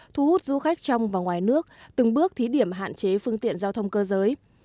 thu hút du khách trong và ngoài nước từng bước thí điểm hạn chế phương tiện giao thông cơ giới